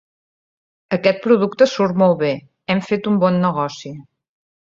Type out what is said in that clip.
Aquest producte surt molt bé: hem fet un bon negoci.